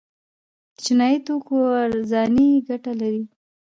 د چینایي توکو ارزاني ګټه لري؟